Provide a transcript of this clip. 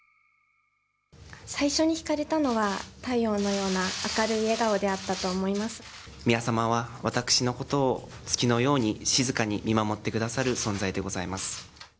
最初にひかれたのは太陽のような明るい笑顔であったと思いま宮さまは、私のことを月のように静かに見守ってくださる存在でございます。